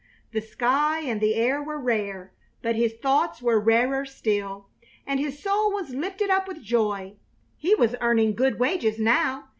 The sky and the air were rare, but his thoughts were rarer still, and his soul was lifted up with joy. He was earning good wages now.